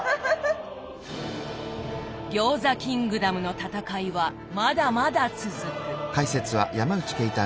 餃子キングダムの戦いはまだまだ続く。